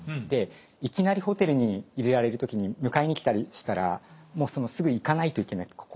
でいきなりホテルに入れられる時に迎えに来たりしたらもうすぐ行かないといけないと。